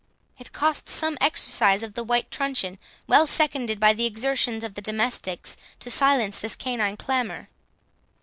It cost some exercise of the white truncheon, well seconded by the exertions of the domestics, to silence this canine clamour.